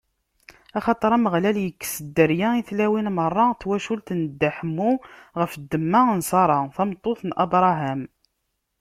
Axaṭer Ameɣlal ikkes dderya i tlawin meṛṛa n twacult n Dda Ḥemmu ɣef ddemma n Ṣara, tameṭṭut n Abṛaham.